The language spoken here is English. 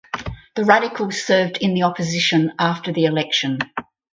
The Radicals served in opposition after the election.